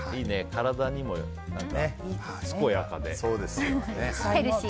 体にも、健やかで。